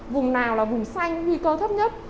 vùng nào là vùng xanh nguy cơ thấp nhất